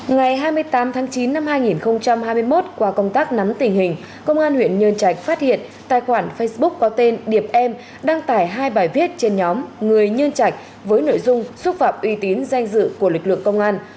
ngày hai mươi tám tháng chín năm hai nghìn hai mươi một qua công tác nắm tình hình công an huyện nhân trạch phát hiện tài khoản facebook có tên điệp em đăng tải hai bài viết trên nhóm người nhân trạch với nội dung xúc phạm uy tín danh dự của lực lượng công an